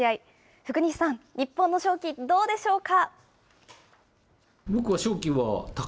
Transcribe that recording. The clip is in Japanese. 福西さん、日本の勝機、どうでしょうか。